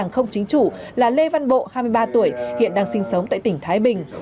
không chính chủ là lê văn bộ hai mươi ba tuổi hiện đang sinh sống tại tỉnh thái bình